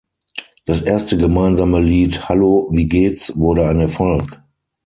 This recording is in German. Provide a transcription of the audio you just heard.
Das erste gemeinsame Lied "Hallo, wie geht’s" wurde ein Erfolg.